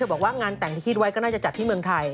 บอกว่างานแต่งที่คิดไว้ก็น่าจะจัดที่เมืองไทย